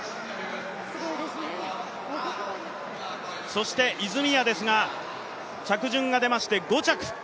そして泉谷ですが着順が出まして５着。